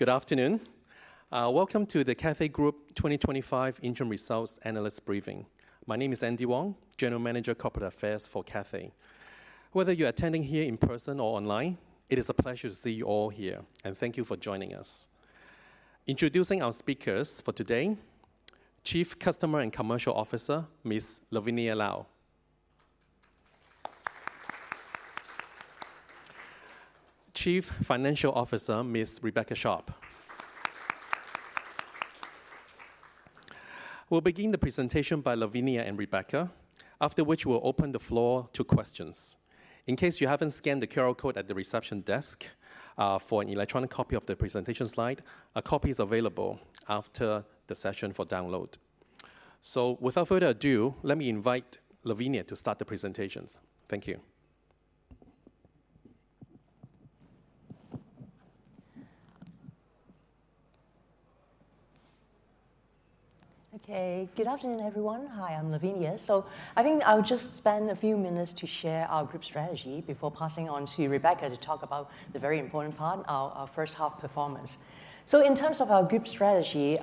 Good afternoon. Welcome to the Cathay Pacific 2025 Interim Results Analyst Briefing. My name is Andy Wong, General Manager of Corporate Affairs for Cathay. Whether you're attending here in person or online, it is a pleasure to see you all here, and thank you for joining us. Introducing our speakers for today: Chief Customer and Commercial Officer, Ms. Lavinia Lau; Chief Financial Officer, Ms. Rebecca Sharpe. We'll begin the presentation by Lavinia and Rebecca, after which we'll open the floor to questions. In case you haven't scanned the QR code at the reception desk for an electronic copy of the presentation slide, a copy is available after the session for download. Without further ado, let me invite Lavinia to start the presentations. Thank you. Okay, good afternoon, everyone. Hi, I'm Lavinia. I think I'll just spend a few minutes to share our group strategy before passing on to Rebecca to talk about the very important part, our first half performance. In terms of our group strategy,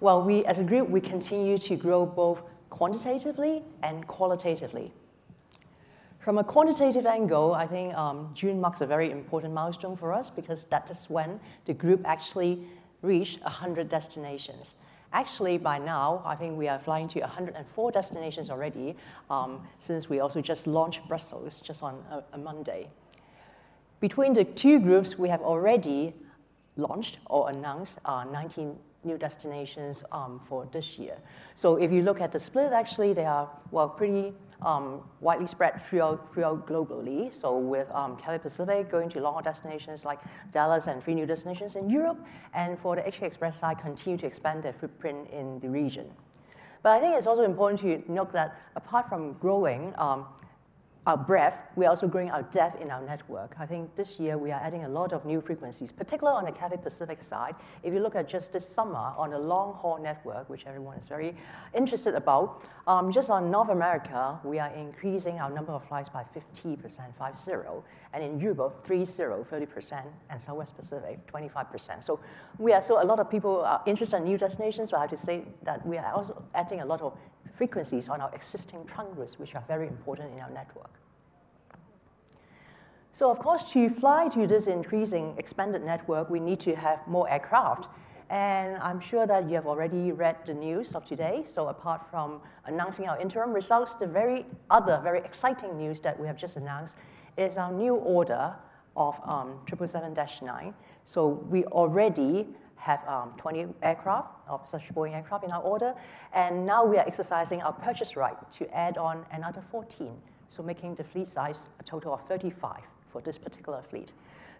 we, as a group, continue to grow both quantitatively and qualitatively. From a quantitative angle, I think June marks a very important milestone for us because that is when the group actually reached 100 destinations. Actually, by now, I think we are flying to 104 destinations already since we also just launched Brussels just on a Monday. Between the two groups, we have already launched or announced 19 new destinations for this year. If you look at the split, they are pretty widely spread throughout globally. With Cathay Pacific going to longer destinations like Dallas and three new destinations in Europe, and for the HK Express side, continue to expand their footprint in the region. I think it's also important to note that apart from growing our breadth, we're also growing our depth in our network. I think this year we are adding a lot of new frequencies, particularly on the Cathay Pacific side. If you look at just this summer, on the long haul network, which everyone is very interested about, just on North America, we are increasing our number of flights by 50%, and in Europe, 30%, and Southwest Pacific, 25%. We are still a lot of people interested in new destinations, but I have to say that we are also adding a lot of frequencies on our existing trunk routes, which are very important in our network. Of course, to fly to this increasing expanded network, we need to have more aircraft. I'm sure that you have already read the news of today. Apart from announcing our interim results, the very other, very exciting news that we have just announced is our new order of 777-9. We already have 20 aircraft, or such Boeing aircraft in our order, and now we are exercising our purchase right to add on another 14, making the fleet size a total of 35 for this particular fleet.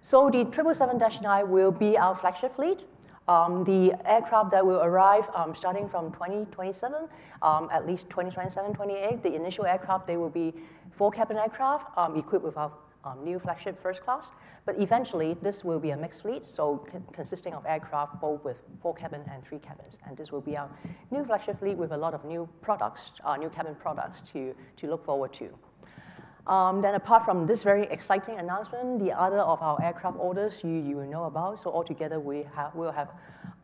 The 777-9 will be our flagship fleet. The aircraft that will arrive starting from 2027, at least 2027/2028, the initial aircraft, they will be four-cabin aircraft equipped with our new flagship first class. Eventually, this will be a mixed fleet, consisting of aircraft both with four cabins and three cabins, and this will be our new flagship fleet with a lot of new products, new cabin products to look forward to. Apart from this very exciting announcement, the other of our aircraft orders you will know about, altogether we will have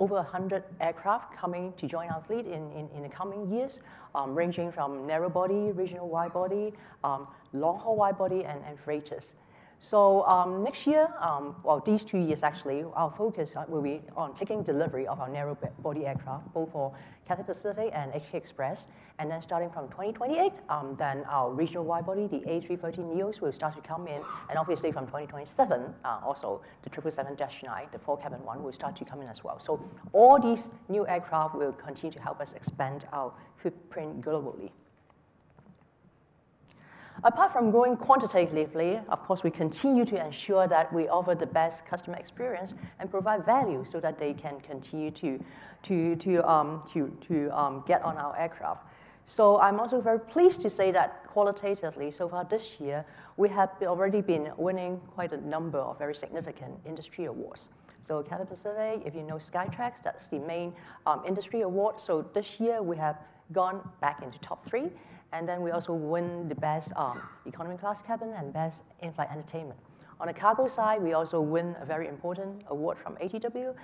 over 100 aircraft coming to join our fleet in the coming years, ranging from narrowbody, regional widebody, long haul widebody, and freighters. Next year, actually these two years, our focus will be on taking delivery of our narrowbody aircraft, both for Cathay Pacific and HK Express. Starting from 2028, our regional widebody, the A330neos, will start to come in. Obviously, from 2027, also the 777-9, the four-cabin one, will start to come in as well. All these new aircraft will continue to help us expand our footprint globally. Apart from growing quantitatively, we continue to ensure that we offer the best customer experience and provide value so that they can continue to get on our aircraft. I'm also very pleased to say that qualitatively, so far this year, we have already been winning quite a number of very significant industry awards. Cathay Pacific, if you know Skytrax, that's the main industry award. This year we have gone back into top three, and we also win the best economy class cabin and best in-flight entertainment. On the cargo side, we also win a very important award from ATW,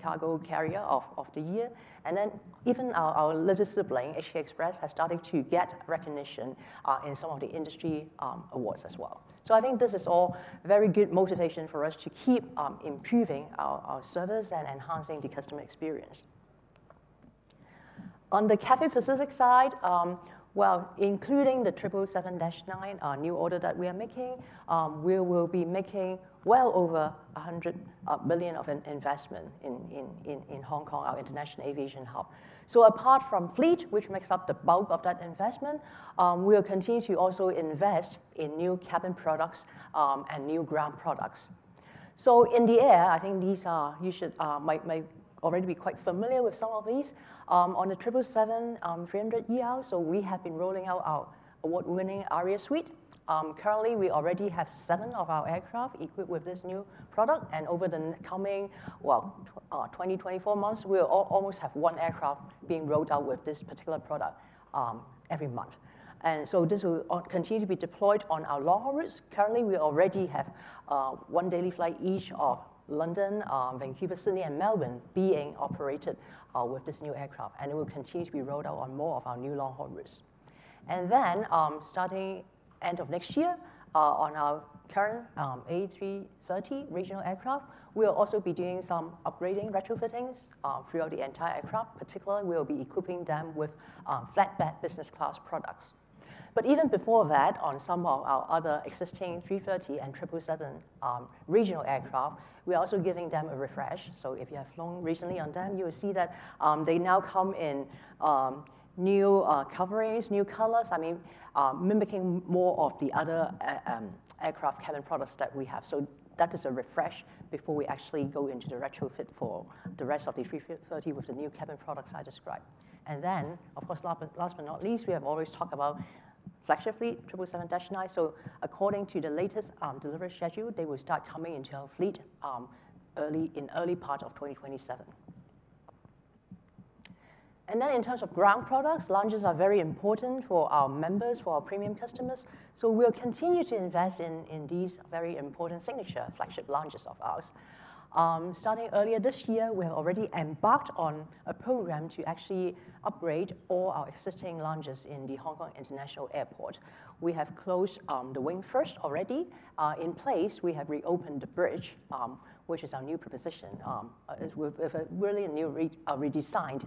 Cargo Carrier of the Year. Even our little sibling, HK Express, has started to get recognition in some of the industry awards as well. I think this is all very good motivation for us to keep improving our service and enhancing the customer experience. On the Cathay Pacific side, including the 777-9, our new order that we are making, we will be making well over 100 million of an investment in Hong Kong, our International Aviation Hub. Apart from fleet, which makes up the bulk of that investment, we'll continue to also invest in new cabin products and new ground products. In the air, I think you might already be quite familiar with some of these. On the 777-300ER, we have been rolling out our award-winning ARIA suite. Currently, we already have seven of our aircraft equipped with this new product, and over the coming, well, 2024 months, we'll almost have one aircraft being rolled out with this particular product every month. This will continue to be deployed on our long haul routes. Currently, we already have one daily flight each of London, Vancouver, Sydney, and Melbourne being operated with this new aircraft, and it will continue to be rolled out on more of our new long haul routes. Starting end of next year, on our current A330 regional aircraft, we'll also be doing some upgrading retrofittings throughout the entire aircraft. Particularly, we'll be equipping them with flatbed business class products. Even before that, on some of our other existing 330 and 777 regional aircraft, we're also giving them a refresh. If you have flown recently on them, you will see that they now come in new coverings, new colors, mimicking more of the other aircraft cabin products that we have. That is a refresh before we actually go into the retrofit for the rest of the 330 with the new cabin products I described. Of course, last but not least, we have always talked about flagship fleet, 777-9. According to the latest delivery schedule, they will start coming into our fleet in the early part of 2027. In terms of ground products, lounges are very important for our members, for our premium customers. We'll continue to invest in these very important signature flagship lounges of ours. Starting earlier this year, we have already embarked on a program to actually upgrade all our existing lounges in the Hong Kong International Airport. We have closed The Wing first already. In place, we have reopened The Bridge, which is our new proposition. It's really a new redesigned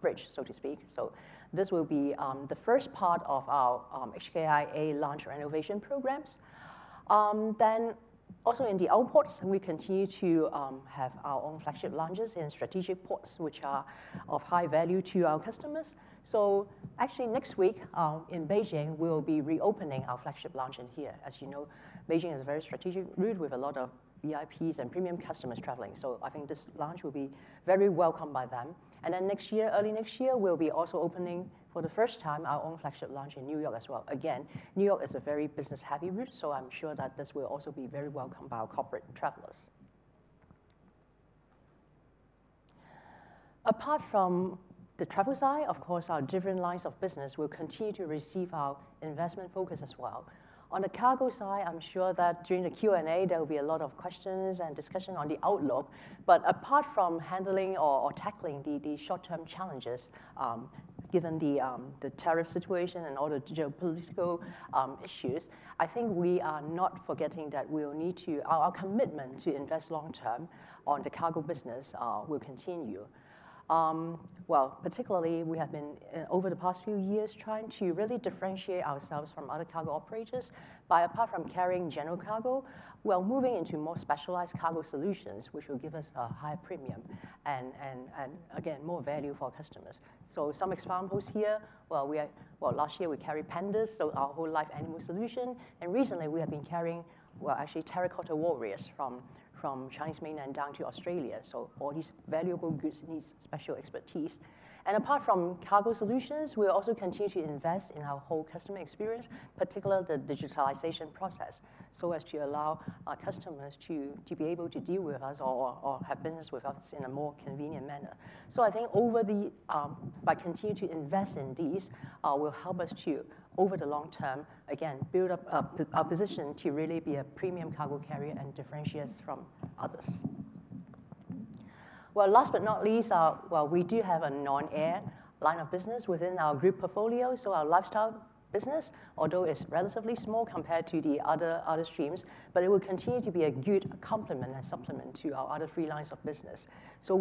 Bridge, so to speak. This will be the first part of our HKIA lounge renovation programs. Also in the outports, we continue to have our own flagship lounges in strategic ports, which are of high value to our customers. Actually next week in Beijing, we'll be reopening our flagship lounge in here. As you know, Beijing is a very strategic route with a lot of VIPs and premium customers traveling. I think this lounge will be very welcomed by them. Next year, early next year, we'll be also opening for the first time our own flagship lounge in New York as well. New York is a very business-happy route, so I'm sure that this will also be very welcomed by our corporate travelers. Apart from the travel side, of course, our different lines of business will continue to receive our investment focus as well. On the cargo side, I'm sure that during the Q&A, there will be a lot of questions and discussion on the outlook. Apart from handling or tackling the short-term challenges, given the tariff situation and all the geopolitical issues, I think we are not forgetting that our commitment to invest long-term on the cargo business will continue. Particularly, we have been over the past few years trying to really differentiate ourselves from other cargo operators by, apart from carrying general cargo, moving into more specialized cargo solutions, which will give us a higher premium and, again, more value for our customers. Some examples here, last year we carried Pandas, so our whole life animal solution. Recently we have been carrying, actually, terracotta warriors from Chinese mainland down to Australia. All these valuable goods need special expertise. Apart from cargo solutions, we'll also continue to invest in our whole customer experience, particularly the digitalization process, so as to allow our customers to be able to deal with us or have business with us in a more convenient manner. I think by continuing to invest in these, it will help us to, over the long term, again, build up our position to really be a premium cargo carrier and differentiate us from others. Last but not least, we do have a non-air line of business within our group portfolio, so our lifestyle business, although it's relatively small compared to the other streams, will continue to be a good complement and supplement to our other three lines of business.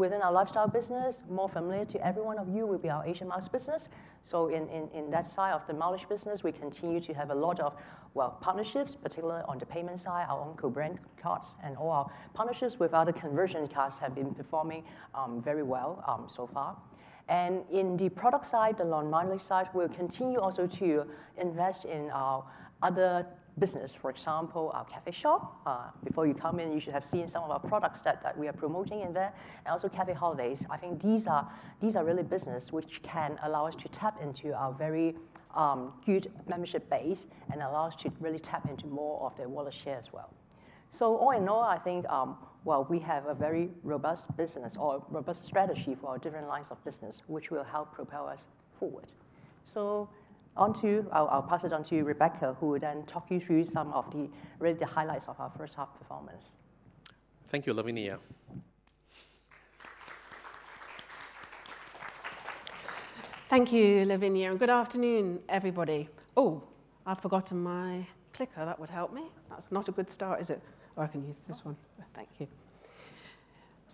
Within our lifestyle business, more familiar to every one of you will be our Asian Miles business. In that side of the mileage business, we continue to have a lot of partnerships, particularly on the payment side, our own co-brand cards, and all our partnerships with other conversion cards have been performing very well so far. In the product side, the non-mileage side, we'll continue also to invest in our other business, for example, our cafe shop. Before you come in, you should have seen some of our products that we are promoting in there, and also cafe holidays. I think these are really businesses which can allow us to tap into our very good membership base and allow us to really tap into more of the world share as well. All in all, I think we have a very robust business or robust strategy for our different lines of business, which will help propel us forward. I'll pass it on to Rebecca, who will then talk you through some of the really highlights of our first half performance. Thank you, Lavinia. Thank you, Lavinia. Good afternoon, everybody. Oh, I've forgotten my clicker. That would help me. That's not a good start, is it? Oh, I can use this one. Thank you.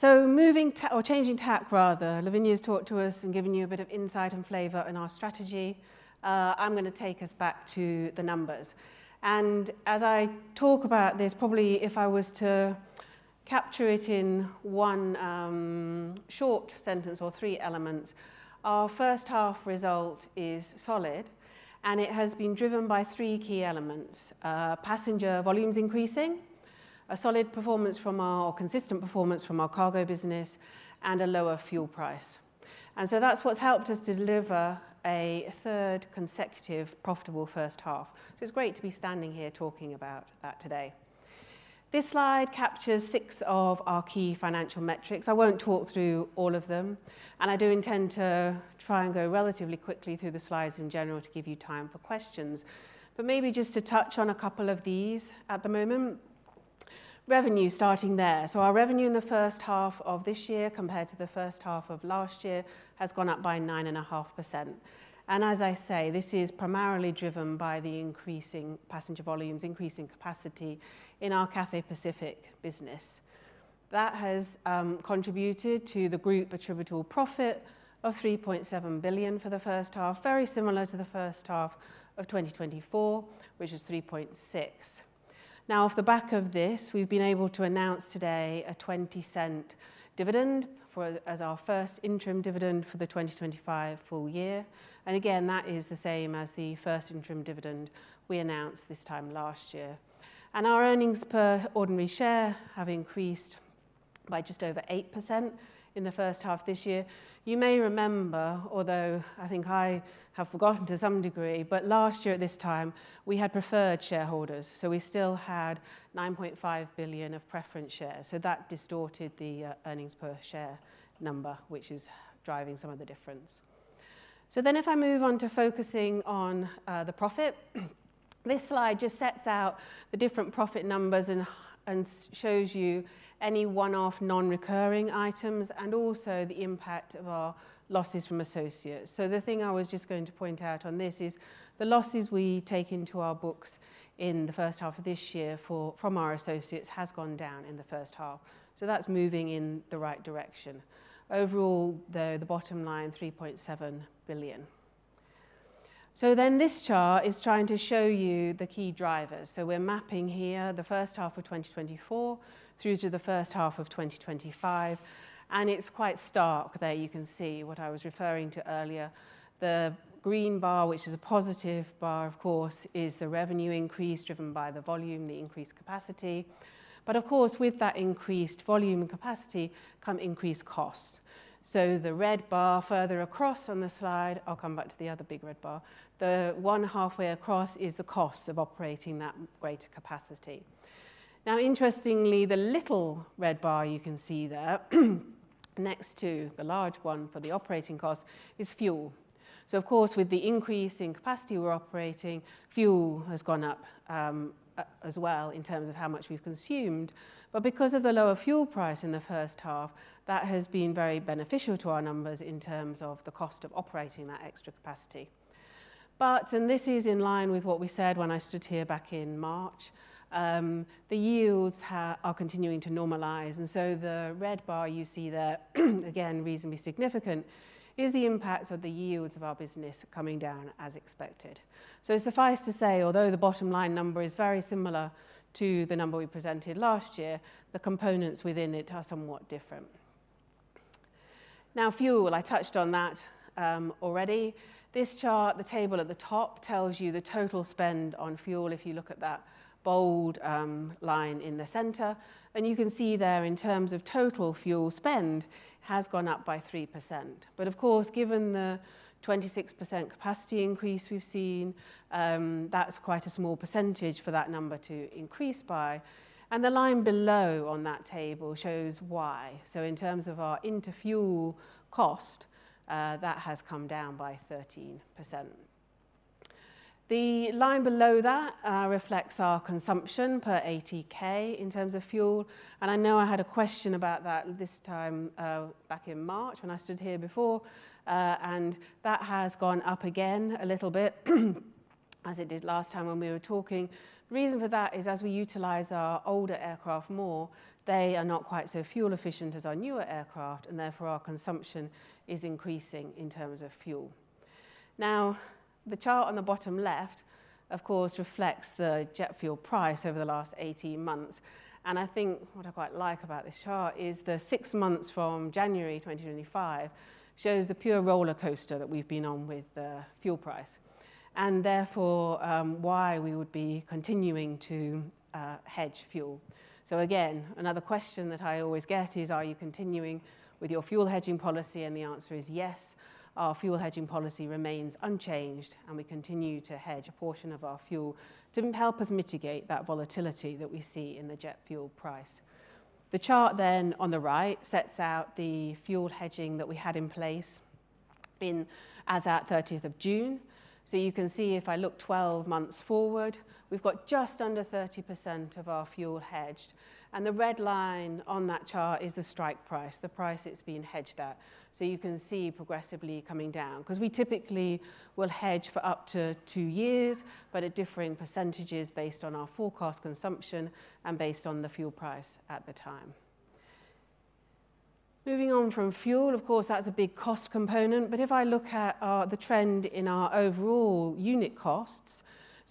Moving to, or changing tack rather, Lavinia's talked to us and given you a bit of insight and flavor in our strategy. I'm going to take us back to the numbers. As I talk about this, probably if I was to capture it in one short sentence or three elements, our first half result is solid, and it has been driven by three key elements: passenger volumes increasing, a solid performance from our, or consistent performance from our cargo business, and a lower fuel price. That's what's helped us deliver a third consecutive profitable first half. It's great to be standing here talking about that today. This slide captures six of our key financial metrics. I won't talk through all of them, and I do intend to try and go relatively quickly through the slides in general to give you time for questions. Maybe just to touch on a couple of these at the moment. Revenue starting there. Our revenue in the first half of this year compared to the first half of last year has gone up by 9.5%. As I say, this is primarily driven by the increasing passenger volumes, increasing capacity in our Cathay Pacific business. That has contributed to the group attributable profit of 3.7 billion for the first half, very similar to the first half of 2024, which was 3.6 billion. Off the back of this, we've been able to announce today a 0.20 dividend as our first interim dividend for the 2025 full year. Again, that is the same as the first interim dividend we announced this time last year. Our earnings per ordinary share have increased by just over 8% in the first half this year. You may remember, although I think I have forgotten to some degree, but last year at this time, we had preferred shareholders. We still had 9.5 billion of preference shares. That distorted the earnings per share number, which is driving some of the difference. If I move on to focusing on the profit, this slide just sets out the different profit numbers and shows you any one-off non-recurring items and also the impact of our losses from associates. The thing I was just going to point out on this is the losses we take into our books in the first half of this year from our associates have gone down in the first half. That's moving in the right direction. Overall, though, the bottom line is 3.7 billion. This chart is trying to show you the key drivers. We're mapping here the first half of 2024 through to the first half of 2025. It's quite stark there. You can see what I was referring to earlier. The green bar, which is a positive bar, of course, is the revenue increase driven by the volume, the increased capacity. Of course, with that increased volume and capacity come increased costs. The red bar further across on the slide, I'll come back to the other big red bar. The one halfway across is the costs of operating that greater capacity. Interestingly, the little red bar you can see there next to the large one for the operating cost is fuel. Of course, with the increase in capacity we're operating, fuel has gone up as well in terms of how much we've consumed. Because of the lower fuel price in the first half, that has been very beneficial to our numbers in terms of the cost of operating that extra capacity. This is in line with what we said when I stood here back in March, the yields are continuing to normalize. The red bar you see there, again, reasonably significant, is the impacts of the yields of our business coming down as expected. Suffice to say, although the bottom line number is very similar to the number we presented last year, the components within it are somewhat different. Fuel, I touched on that already. This chart, the table at the top, tells you the total spend on fuel if you look at that bold line in the center. You can see there in terms of total fuel spend has gone up by 3%. Given the 26% capacity increase we've seen, that's quite a small percentage for that number to increase by. The line below on that table shows why. In terms of our inter-fuel cost, that has come down by 13%. The line below that reflects our consumption per 80k in terms of fuel. I know I had a question about that this time back in March when I stood here before, and that has gone up again a little bit as it did last time when we were talking. The reason for that is as we utilize our older aircraft more, they are not quite so fuel efficient as our newer aircraft, and therefore our consumption is increasing in terms of fuel. The chart on the bottom left, of course, reflects the jet fuel price over the last 18 months. I think what I quite like about this chart is the six months from January 2025 shows the pure roller coaster that we've been on with the fuel price. That is why we would be continuing to hedge fuel. Again, another question that I always get is, are you continuing with your fuel hedging policy? The answer is yes. Our fuel hedging policy remains unchanged, and we continue to hedge a portion of our fuel to help us mitigate that volatility that we see in the jet fuel price. The chart on the right sets out the fuel hedging that we had in place as at 30th of June. You can see if I look 12 months forward, we've got just under 30% of our fuel hedged. The red line on that chart is the strike price, the price it's been hedged at. You can see it is progressively coming down because we typically will hedge for up to two years, but at differing percentages based on our forecast consumption and based on the fuel price at the time. Moving on from fuel, of course, that's a big cost component. If I look at the trend in our overall unit costs,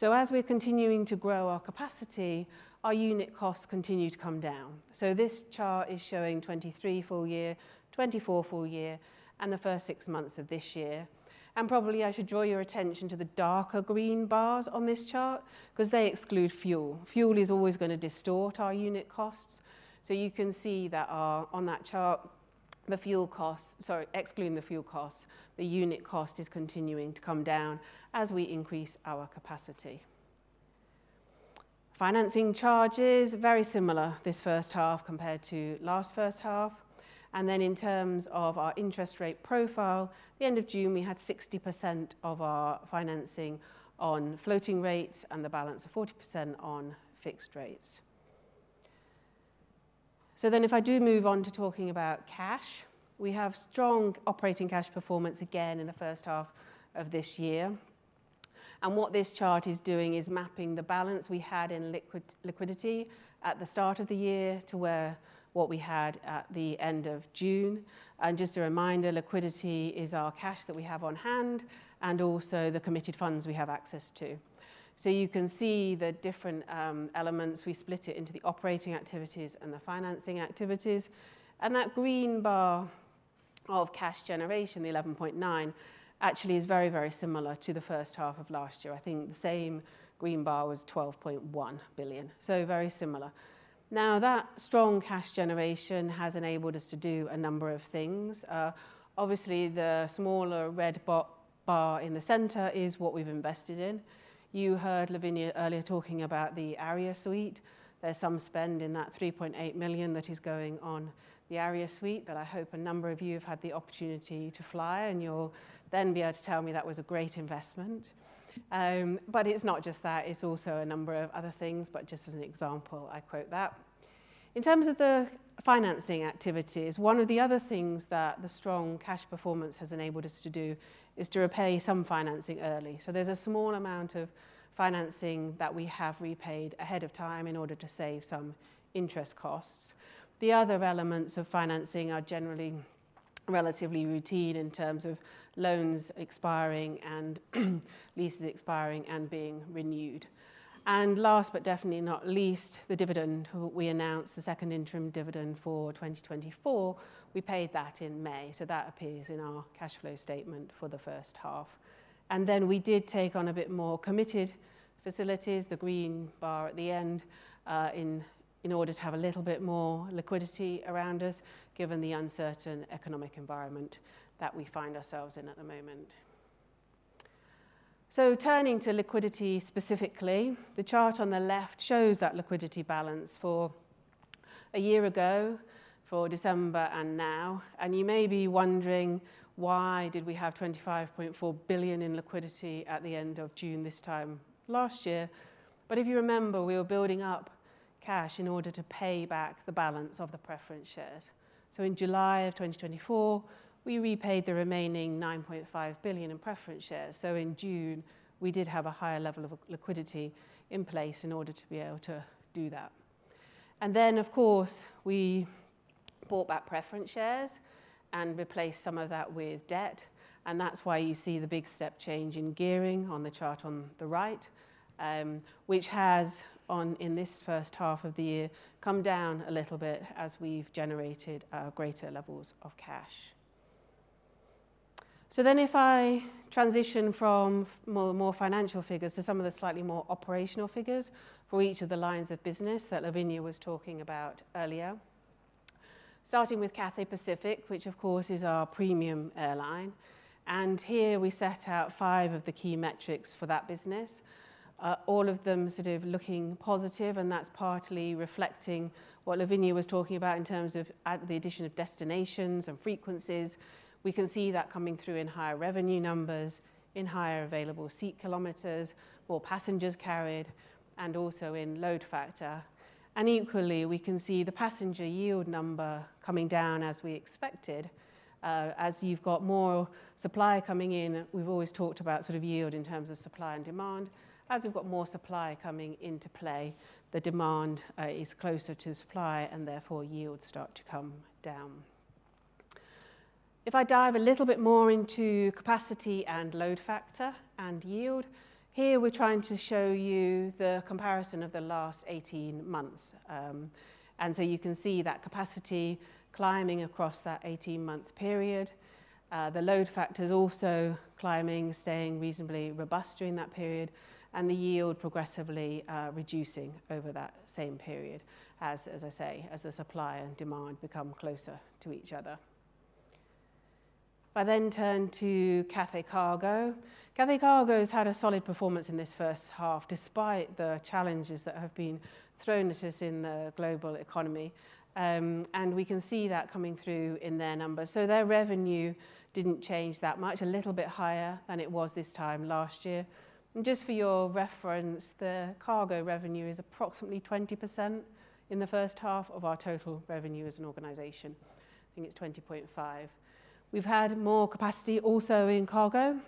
as we're continuing to grow our capacity, our unit costs continue to come down. This chart is showing 2023 full year, 2024 full year, and the first six months of this year. I should draw your attention to the darker green bars on this chart because they exclude fuel. Fuel is always going to distort our unit costs. You can see that on that chart, excluding the fuel costs, the unit cost is continuing to come down as we increase our capacity. Financing charges are very similar this first half compared to last first half. In terms of our interest rate profile, at the end of June we had 60% of our financing on floating rates and the balance of 40% on fixed rates. If I move on to talking about cash, we have strong operating cash performance again in the first half of this year. This chart is mapping the balance we had in liquidity at the start of the year to what we had at the end of June. Just a reminder, liquidity is our cash that we have on hand and also the committed funds we have access to. You can see the different elements. We split it into the operating activities and the financing activities. That green bar of cash generation, the 11.9 billion, actually is very, very similar to the first half of last year. I think the same green bar was 12.1 billion. Very similar. Now that strong cash generation has enabled us to do a number of things. Obviously, the smaller red bar in the center is what we've invested in. You heard Lavinia earlier talking about the ARIA suite. There's some spend in that 3.8 million that is going on the ARIA suite that I hope a number of you have had the opportunity to fly and you'll then be able to tell me that was a great investment. It's not just that. It's also a number of other things, but just as an example, I quote that. In terms of the financing activities, one of the other things that the strong cash performance has enabled us to do is to repay some financing early. There's a small amount of financing that we have repaid ahead of time in order to save some interest costs. The other elements of financing are generally relatively routine in terms of loans expiring and leases expiring and being renewed. Last but definitely not least, the dividend we announced, the second interim dividend for 2024, we paid that in May. That appears in our cash flow statement for the first half. We did take on a bit more committed facilities, the green bar at the end, in order to have a little bit more liquidity around us, given the uncertain economic environment that we find ourselves in at the moment. Turning to liquidity specifically, the chart on the left shows that liquidity balance for a year ago, for December and now. You may be wondering why we had 25.4 billion in liquidity at the end of June this time last year. If you remember, we were building up cash in order to pay back the balance of the preference shares. In July of 2024, we repaid the remaining 9.5 billion in preference shares. In June, we did have a higher level of liquidity in place in order to be able to do that. Of course, we bought back preference shares and replaced some of that with debt. That's why you see the big step change in gearing on the chart on the right, which has in this first half of the year come down a little bit as we've generated greater levels of cash. If I transition from more financial figures to some of the slightly more operational figures for each of the lines of business that Lavinia was talking about earlier, starting with Cathay Pacific, which of course is our premium airline. Here we set out five of the key metrics for that business, all of them sort of looking positive. That is partly reflecting what Lavinia was talking about in terms of the addition of destinations and frequencies. We can see that coming through in higher revenue numbers, in higher available seat kilometers, more passengers carried, and also in load factor. Equally, we can see the passenger yield number coming down as we expected. As you have got more supply coming in, we have always talked about sort of yield in terms of supply and demand. As we have got more supply coming into play, the demand is closer to supply and therefore yields start to come down. If I dive a little bit more into capacity and load factor and yield, here we are trying to show you the comparison of the last 18 months. You can see that capacity climbing across that 18-month period. The load factor is also climbing, staying reasonably robust during that period, and the yield progressively reducing over that same period, as I say, as the supply and demand become closer to each other. I then turn to Cathay Cargo. Cathay Cargo has had a solid performance in this first half despite the challenges that have been thrown at us in the global economy. We can see that coming through in their numbers. Their revenue did not change that much, a little bit higher than it was this time last year. Just for your reference, the cargo revenue is approximately 20% in the first half of our total revenue as an organization. I think it is 20.5%. We have had more capacity also in cargo,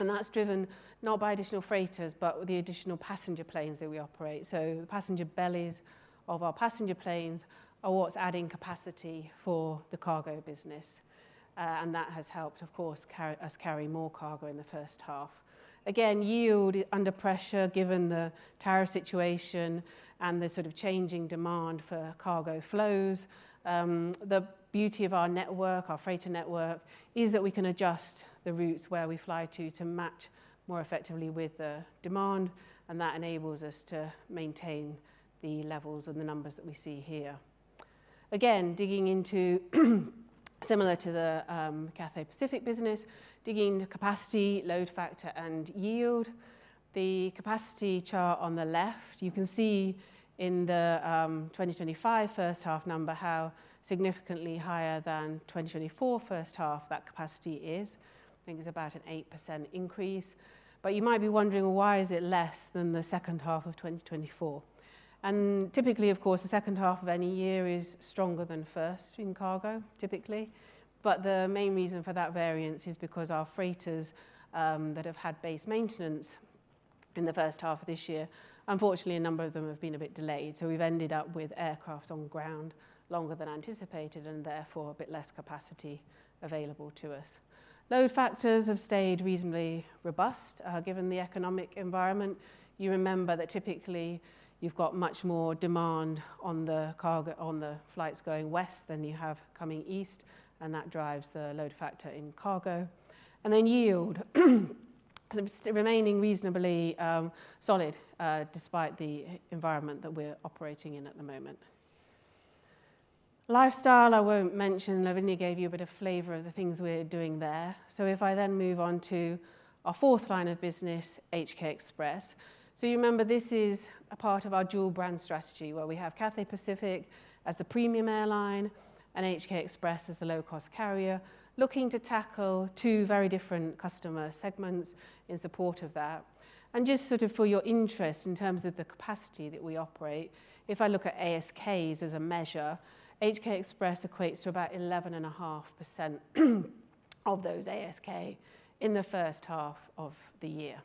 and that is driven not by additional freighters, but the additional passenger planes that we operate. The passenger bellies of our passenger planes are what is adding capacity for the cargo business. That has helped, of course, us carry more cargo in the first half. Again, yield under pressure given the tariff situation and the sort of changing demand for cargo flows. The beauty of our network, our freighter network, is that we can adjust the routes where we fly to match more effectively with the demand, and that enables us to maintain the levels and the numbers that we see here. Again, digging into, similar to the Cathay Pacific business, digging into capacity, load factor, and yield. The capacity chart on the left, you can see in the 2025 first half number how significantly higher than 2024 first half that capacity is. I think it is about an 8% increase. You might be wondering, why is it less than the second half of 2024? Typically, of course, the second half of any year is stronger than the first in cargo, typically. The main reason for that variance is because our freighters that have had base maintenance in the first half of this year, unfortunately, a number of them have been a bit delayed. We have ended up with aircraft on ground longer than anticipated and therefore a bit less capacity available to us. Load factors have stayed reasonably robust given the economic environment. You remember that typically you've got much more demand on the flights going west than you have coming east, and that drives the load factor in cargo. Yield is remaining reasonably solid despite the environment that we're operating in at the moment. Lifestyle, I won't mention. Lavinia gave you a bit of flavor of the things we're doing there. If I then move on to our fourth line of business, HK Express. You remember this is a part of our dual-brand strategy where we have Cathay Pacific as the premium airline and HK Express as the low-cost carrier, looking to tackle two very different customer segments in support of that. Just for your interest in terms of the capacity that we operate, if I look at ASKs as a measure, HK Express equates to about 11.5% of those ASKs in the first half of the year.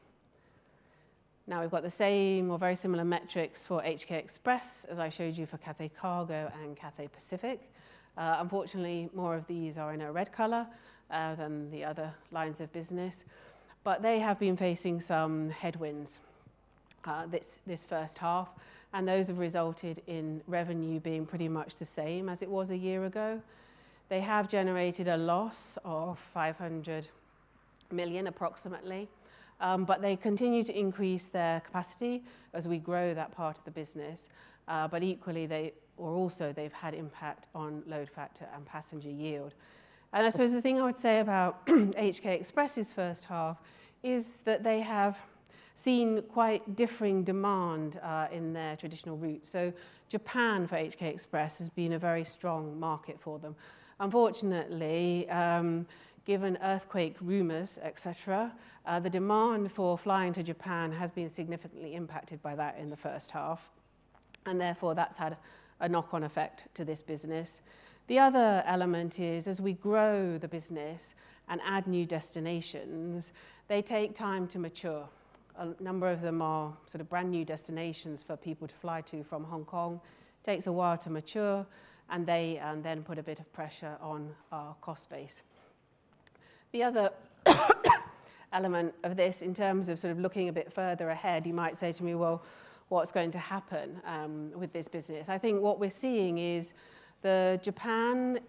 Now we've got the same or very similar metrics for HK Express as I showed you for Cathay Cargo and Cathay Pacific. Unfortunately, more of these are in a red color than the other lines of business. They have been facing some headwinds this first half, and those have resulted in revenue being pretty much the same as it was a year ago. They have generated a loss of 500 million approximately, but they continue to increase their capacity as we grow that part of the business. Equally, they've also had impact on load factor and passenger yield. I suppose the thing I would say about HK Express's first half is that they have seen quite differing demand in their traditional route. Japan for HK Express has been a very strong market for them. Unfortunately, given earthquake rumors, etc., the demand for flying to Japan has been significantly impacted by that in the first half. Therefore, that's had a knock-on effect to this business. The other element is as we grow the business and add new destinations, they take time to mature. A number of them are sort of brand new destinations for people to fly to from Hong Kong. It takes a while to mature, and they then put a bit of pressure on our cost base. The other element of this in terms of sort of looking a bit further ahead, you might say to me, what's going to happen with this business? I think what we're seeing is the Japan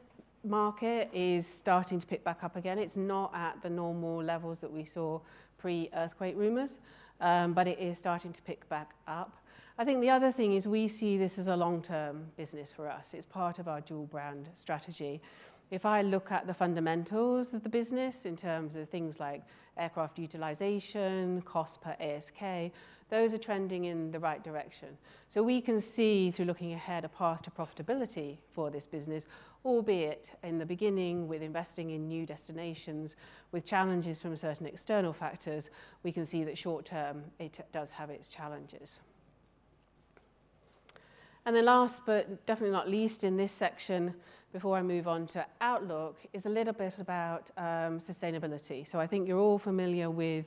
market is starting to pick back up again. It's not at the normal levels that we saw pre-earthquake rumors, but it is starting to pick back up. I think the other thing is we see this as a long-term business for us. It's part of our dual-brand strategy. If I look at the fundamentals of the business in terms of things like aircraft utilization, cost per ASK, those are trending in the right direction. We can see through looking ahead a path to profitability for this business, albeit in the beginning with investing in new destinations with challenges from certain external factors, we can see that short term it does have its challenges. Last but definitely not least in this section, before I move on to outlook, is a little bit about sustainability. I think you're all familiar with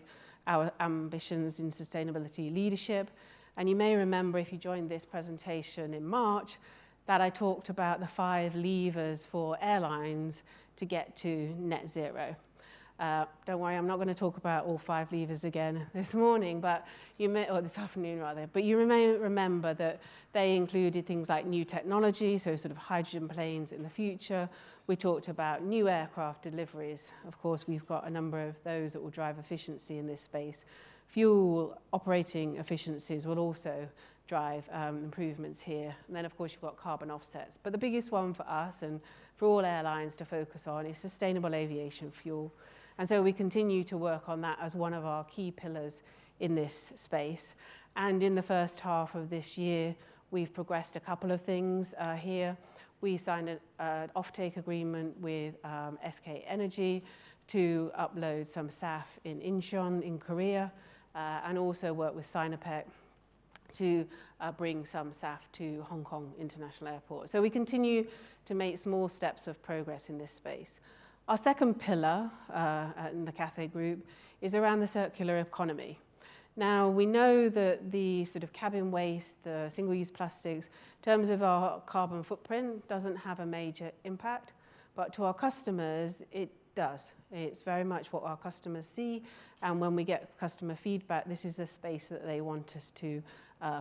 our ambitions in sustainability leadership. You may remember if you joined this presentation in March that I talked about the five levers for airlines to get to net zero. Don't worry, I'm not going to talk about all five levers again this morning, or this afternoon rather, but you may remember that they included things like new technology, so sort of hydrogen planes in the future. We talked about new aircraft deliveries. Of course, we've got a number of those that will drive efficiency in this space. Fuel operating efficiencies will also drive improvements here. Of course, you've got carbon offsets. The biggest one for us and for all airlines to focus on is sustainable aviation fuel. We continue to work on that as one of our key pillars in this space. In the first half of this year, we've progressed a couple of things here. We signed an off-take agreement with SK Energy to upload some SAF in Incheon in Korea, and also work with Sinopec to bring some SAF to Hong Kong International Airport. We continue to make small steps of progress in this space. Our second pillar in the Cathay Group is around the circular economy. We know that the sort of cabin waste, the single-use plastics, in terms of our carbon footprint doesn't have a major impact, but to our customers, it does. It's very much what our customers see. When we get customer feedback, this is a space that they want us to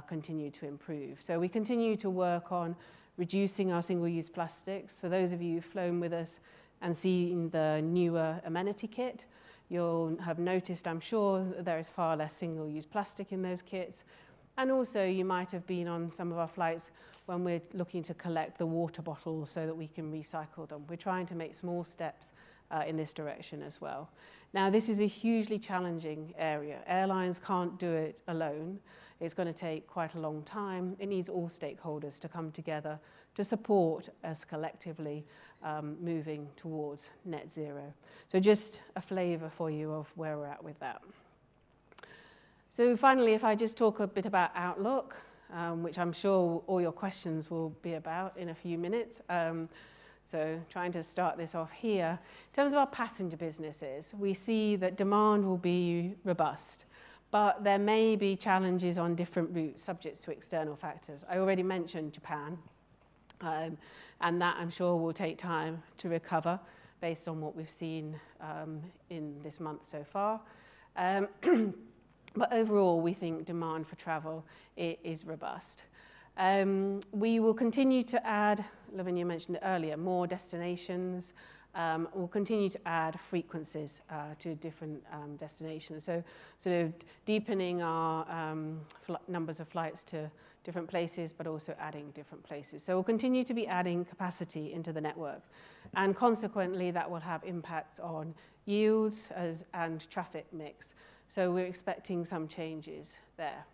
continue to improve. We continue to work on reducing our single-use plastics. For those of you who've flown with us and seen the newer amenity kit, you'll have noticed, I'm sure, there is far less single-use plastic in those kits. You might have been on some of our flights when we're looking to collect the water bottles so that we can recycle them. We're trying to make small steps in this direction as well. This is a hugely challenging area. Airlines can't do it alone. It's going to take quite a long time. It needs all stakeholders to come together to support us collectively moving towards net zero. Just a flavor for you of where we're at with that. Finally, if I just talk a bit about outlook, which I'm sure all your questions will be about in a few minutes. Trying to start this off here, in terms of our passenger businesses, we see that demand will be robust, but there may be challenges on different routes subject to external factors. I already mentioned Japan, and that I'm sure will take time to recover based on what we've seen in this month so far. Overall, we think demand for travel is robust. We will continue to add, Lavinia mentioned it earlier, more destinations. We'll continue to add frequencies to different destinations, sort of deepening our numbers of flights to different places, but also adding different places. We'll continue to be adding capacity into the network, and consequently, that will have impacts on yields and traffic mix. We're expecting some changes there.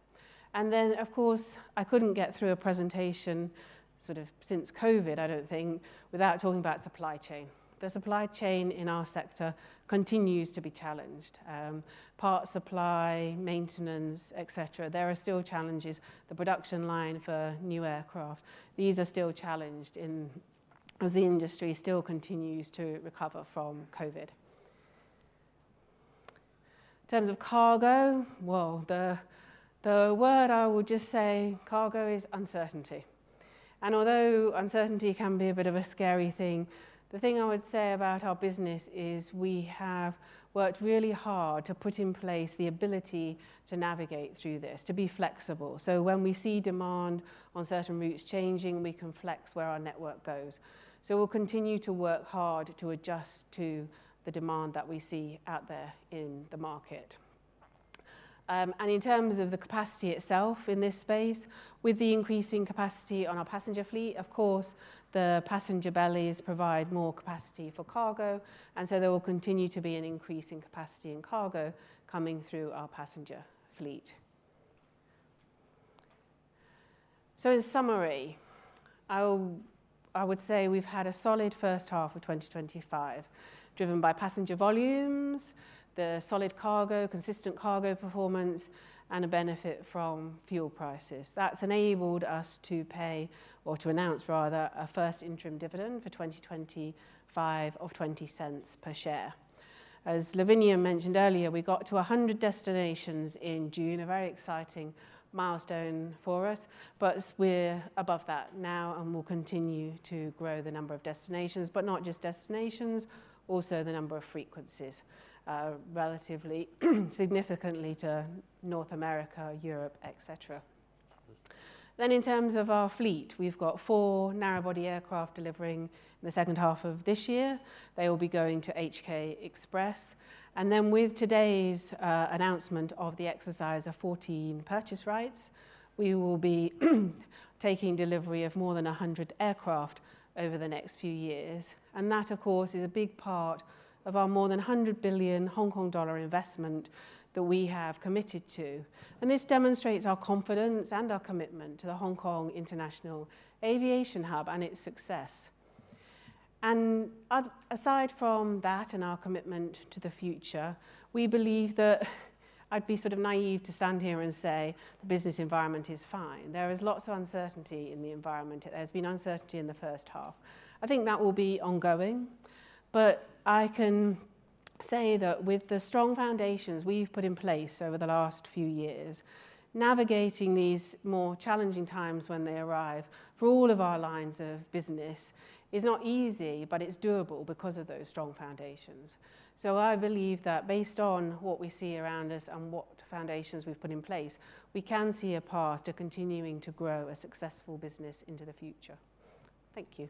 Of course, I couldn't get through a presentation since COVID, I don't think, without talking about supply chain. The supply chain in our sector continues to be challenged. Parts supply, maintenance, etc. There are still challenges. The production line for new aircraft, these are still challenged as the industry still continues to recover from COVID. In terms of cargo, the word I would just say, cargo is uncertainty. Although uncertainty can be a bit of a scary thing, the thing I would say about our business is we have worked really hard to put in place the ability to navigate through this, to be flexible. When we see demand on certain routes changing, we can flex where our network goes. We'll continue to work hard to adjust to the demand that we see out there in the market. In terms of the capacity itself in this space, with the increasing capacity on our passenger fleet, the passenger bellies provide more capacity for cargo. There will continue to be an increase in capacity in cargo coming through our passenger fleet. In summary, I would say we've had a solid first half of 2025 driven by passenger volumes, solid cargo, consistent cargo performance, and a benefit from fuel prices. That's enabled us to pay, or to announce rather, a first interim dividend for 2025 of 0.20 per share. As Lavinia Lau mentioned earlier, we got to 100 destinations in June, a very exciting milestone for us. We're above that now, and we'll continue to grow the number of destinations, not just destinations, also the number of frequencies, relatively significantly to North America, Europe, etc. In terms of our fleet, we've got four narrowbody aircraft delivering in the second half of this year. They will be going to HK Express. With today's announcement of the exercise of 14 purchase rights, we will be taking delivery of more than 100 aircraft over the next few years. That is a big part of our more than 100 billion Hong Kong dollar investment that we have committed to. This demonstrates our confidence and our commitment to the Hong Kong International Aviation Hub and its success. Aside from that and our commitment to the future, we believe that I'd be sort of naive to stand here and say the business environment is fine. There is lots of uncertainty in the environment. There's been uncertainty in the first half. I think that will be ongoing. I can say that with the strong foundations we've put in place over the last few years, navigating these more challenging times when they arrive for all of our lines of business is not easy, but it's doable because of those strong foundations. I believe that based on what we see around us and what foundations we've put in place, we can see a path to continuing to grow a successful business into the future. Thank you.